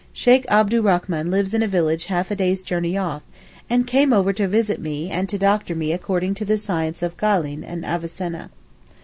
Sheykh Abdurrachman lives in a village half a day's journey off, and came over to visit me and to doctor me according to the science of Galen and Avicenna.